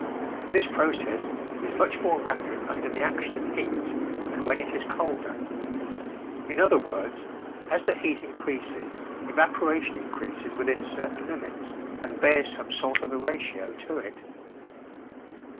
This process is much more rapid under the action of heat than when it is colder. In other words, as the heat increases evaporation increases within certain limits and bears some sort of a ratio to it.